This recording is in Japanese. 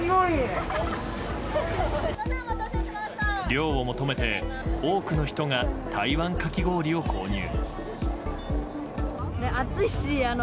涼を求めて多くの人が台湾かき氷を購入。